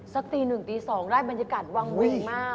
สักตีหนึ่งสักตีสองรายบรรยากาศวางเมลงมาก